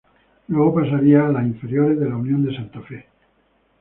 Luego pasaría a las inferiores de Unión de Santa Fe.